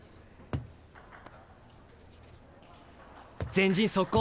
前陣速攻。